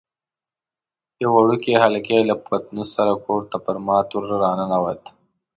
یو وړوکی هلکی له پتنوس سره کور ته پر مات وره راننوت.